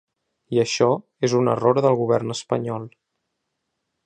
I això és un error del govern espanyol.